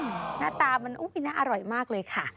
หน้าตามันน่าอร่อยมากเลยค่ะ